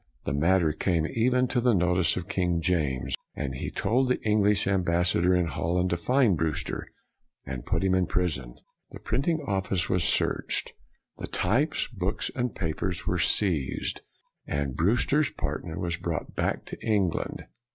The matter came even to the notice of King James, and he told the English ambassador in Holland to find Brewster and put him in prison. The printing office was searched; the types, books, and papers were seized; and Brew ster's partner was brought back to Eng land.